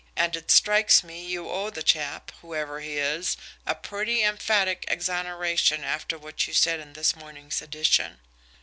And it strikes me you owe the chap, whoever he is, a pretty emphatic exoneration after what you said in this morning's edition."